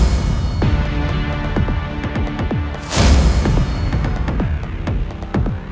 ini bukan apa apa